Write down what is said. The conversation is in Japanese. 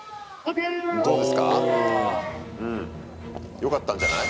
よかったんじゃない？